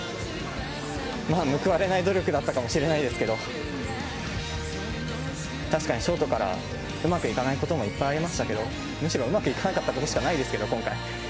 報われない努力だったかもしれないですけど、確かにショートからうまくいかないこともいっぱいありましたけど、むしろうまくいかなかったことしかないですけど、今回。